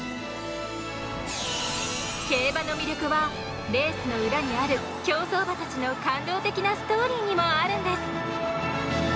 競馬の魅力はレースの裏にある競走馬たちの感動的なストーリーにもあるんです。